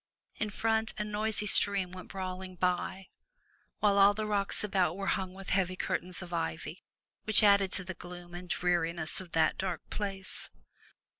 In front a noisy stream went brawling by, while all the rocks about were hung with heavy curtains of ivy, which added to the gloom and dreariness of that dark place.